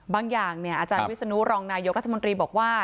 บางอย่างอาจารย์วิศนุรองนายกรัฐมนตรีบอกว่า